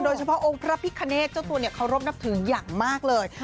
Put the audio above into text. เฉพาะองค์พระพิคเนตเจ้าตัวเคารพนับถืออย่างมากเลย